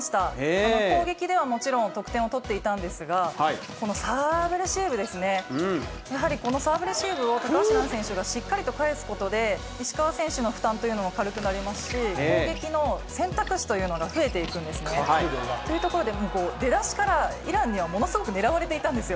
この攻撃ではもちろん、得点を取っていたんですが、このサーブ、レシーブですね、やはりこのサーブ、レシーブを高橋藍選手がしっかりと返すことで、石川選手の負担というのは軽くなりますし、攻撃の選択肢というのが増えていくんですね。というところで、出だしからイランにはものすごく狙われていたんですよ。